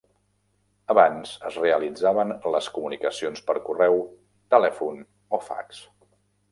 Abans es realitzaven les comunicacions per correu, telèfon o fax.